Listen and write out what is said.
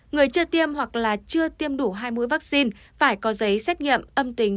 người chưa tiêm hoặc là chưa tiêm đủ hai mũi vaccine phải có giấy xét nghiệm âm tính